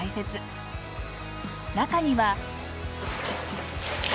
中には。